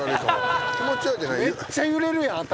めっちゃ揺れるやん頭。